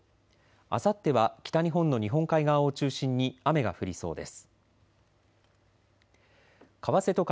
あさっては北日本の日本海側を中心に雨が降りそうです。